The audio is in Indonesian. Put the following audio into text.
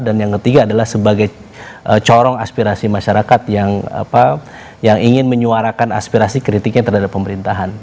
dan yang ketiga adalah sebagai corong aspirasi masyarakat yang ingin menyuarakan aspirasi kritiknya terhadap pemerintahan